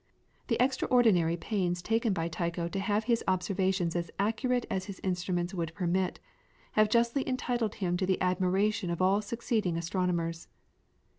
The extraordinary pains taken by Tycho to have his observations as accurate as his instruments would permit, have justly entitled him to the admiration of all succeeding astronomers.